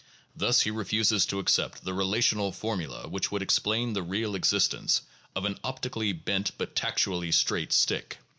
Thus, he refuses to accept the relational formula which would explain the real exist ence of an optically bent but tactually straight stick.